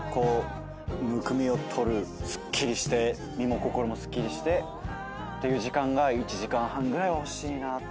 すっきりして身も心もすっきりしてっていう時間が１時間半ぐらいは欲しいなって。